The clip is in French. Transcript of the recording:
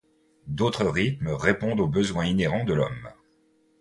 D’autres rythmes répondent au besoin inhérent de l’homme.